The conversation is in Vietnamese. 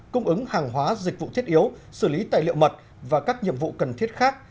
cung ứng hàng hóa dịch vụ thiết yếu xử lý tài liệu mật và các nhiệm vụ cần thiết khác